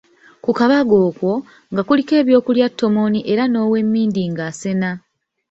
Ku kabaga okwo, nga kuliko eby'okulya ttomooni era n'owemmindi ng’asena.